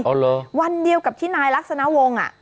อ๋อเหรอวันเดียวกับที่นายลักษณะวง